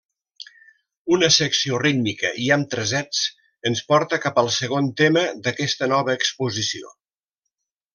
Una secció rítmica i amb tresets ens porta cap al segon tema d'aquesta nova exposició.